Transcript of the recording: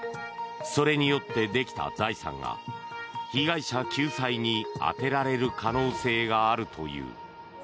それによってできた財産が被害者救済に充てられる可能性があるという。